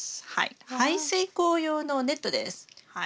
排水口用のネットです。